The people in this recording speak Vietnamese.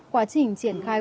quá trình triển khai